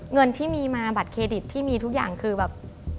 เงินที่มีมาบัตรเครดิตที่มีทุกอย่างคือแบบ